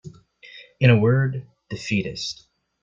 In a word, defeatist.